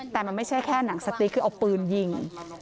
แต่มันไม่ใช่แค่หนังสติ๊กคือเอาปืนยิง